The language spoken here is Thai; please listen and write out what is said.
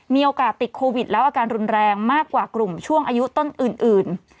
มีโอกาสติดโควิดแล้วอาการรุนแรงมากกว่ากลุ่มช่วงอายุต้นอื่น